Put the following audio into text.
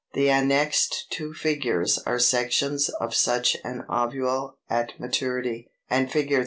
The annexed two figures are sections of such an ovule at maturity; and Fig.